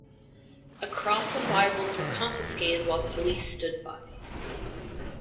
A cross and Bibles were confiscated while Police stood by.